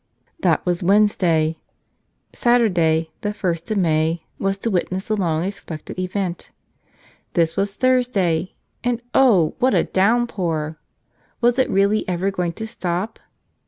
That was Wednesday — Saturday, the first of May, was to witness the long expected event. This was Thurs¬ day — and oh what a downpour! Was it really never going to stop?